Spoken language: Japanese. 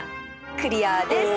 クリアです！